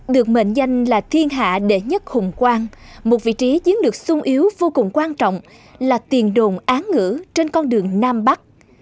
được mệnh danh là thiên hạ đệ nhất hùng quang một vị trí chiến lược sung yếu vô cùng quan trọng là tiền đồn án ngữ trên con đường nam bắc